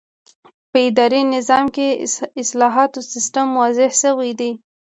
په اداري نظام کې د اصلاحاتو سیسټم واضح شوی دی.